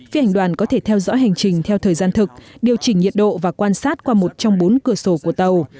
phi hành đoàn có thể theo dõi hành trình theo thời gian thực điều chỉnh nhiệt độ và quan sát qua một trong bốn cửa sổ của tàu